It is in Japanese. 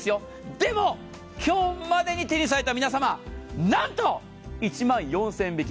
でも、今日までに手にされた皆様、なんと１万４０００円引き。